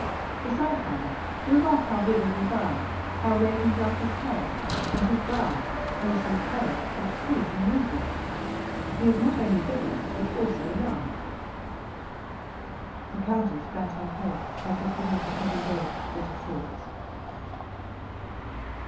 Besides, mother, remark how vivid his eye, how raven black his hair, and his brow, though so pale, is free from wrinkles,—he is not only vigorous, but also young." The countess bent her head, as if beneath a heavy wave of bitter thoughts.